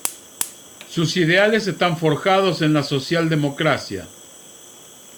Sus ideales están forjados en la socialdemocracia.